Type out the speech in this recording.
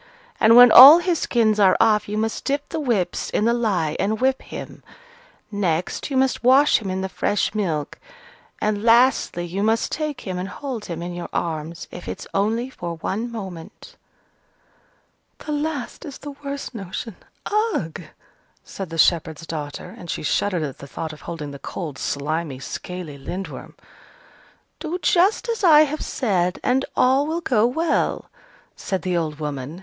And when all his skins are off, you must dip the whips in the lye and whip him; next, you must wash him in the fresh milk; and, lastly, you must take him and hold him in your arms, if it's only for one moment." "The last is the worst notion ugh!" said the shepherd's daughter, and she shuddered at the thought of holding the cold, slimy, scaly Lindworm. "Do just as I have said, and all will go well," said the old woman.